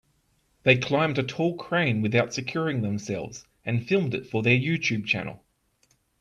They climbed a tall crane without securing themselves and filmed it for their YouTube channel.